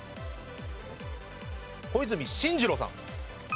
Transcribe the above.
小泉進次郎さん。